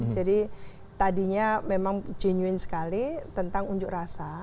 jadi tadinya memang jenuin sekali tentang unjuk rasa